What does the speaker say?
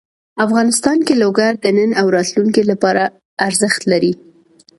افغانستان کې لوگر د نن او راتلونکي لپاره ارزښت لري.